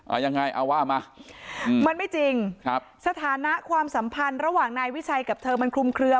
ยังไงเอาว่ามาอืมมันไม่จริงครับสถานะความสัมพันธ์ระหว่างนายวิชัยกับเธอมันคลุมเคลือ